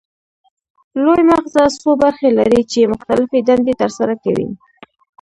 لوی مغزه څو برخې لري چې مختلفې دندې ترسره کوي